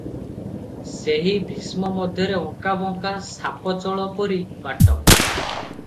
ସେହି ଭୀଷ୍ମ ମଧ୍ୟରେ ଅଙ୍କା ବଙ୍କା ସାପଚଳ ପରି ବାଟ ।